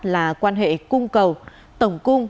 là quan hệ cung cầu tổng cung